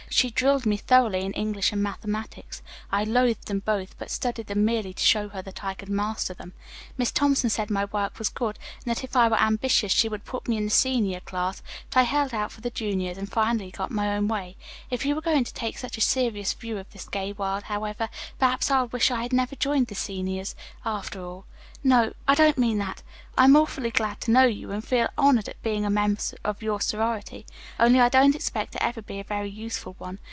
She drilled me thoroughly in English and mathematics. I loathed them both, but studied them merely to show her that I could master them. Miss Thompson said my work was good, and that if I were ambitious she would put me in the senior class, but I held out for the juniors and finally got my own way. If you are going to take such a serious view of this gay world, however, perhaps I'll wish I had joined the seniors, after all. No, I don't mean that. I'm awfully glad to know you, and feel honored at being a member of your sorority. Only I don't expect to ever be a very useful one.